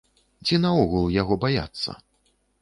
Ці, наогул, яго баяцца?